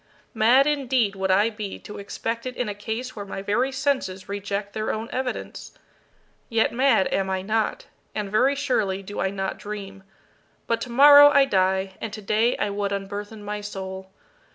Mad indeed would I be to expect it in a case where my very senses reject their own evidence. Yet mad am I not and very surely do I not dream. But tomorrow I die, and today I would unburthen my soul.